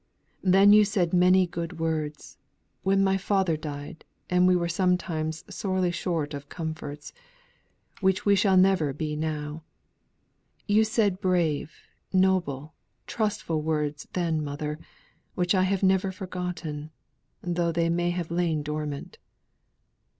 Then you said many good words when my father died, and we were sometimes sorely short of comforts which we shall never be now; you said brave, noble, trustful words then, mother, which I have never forgotten, though they may have lain dormant.